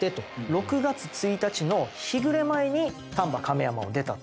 ６月１日の日暮れ前に丹波亀山を出たと。